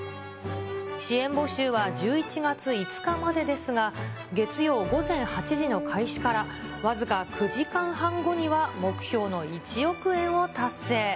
支援募集は１１月５日までですが、月曜午前８時の開始から僅か９時間半後には、目標の１億円を達成。